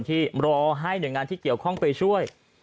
ที่รอให้หน่วยงานที่เกี่ยวข้องไปช่วย